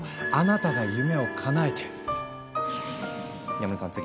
山根さん次！